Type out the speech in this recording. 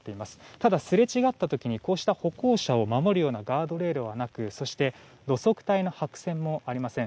ただすれ違ったとき歩行者を守るようなガードレールはなくそして路側帯の白線もありません。